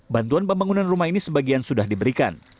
bantuan pembangunan rumah ini sebagian sudah diberikan